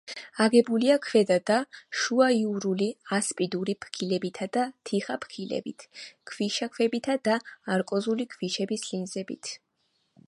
აგებულია ქვედა და შუაიურული ასპიდური ფიქლებითა და თიხაფიქლებით, ქვიშაქვებითა და არკოზული ქვიშების ლინზებით.